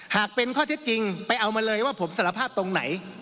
หากเป็นข้อเท็จจริงไปเอามาเลยว่าผมสารภาพตรงไหน